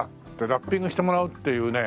ラッピングしてもらおうっていうね